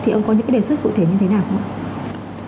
thì ông có những đề xuất cụ thể như thế nào không ạ